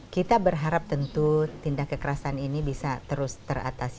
kita berharap tentu tindak kekerasan ini bisa terus teratasi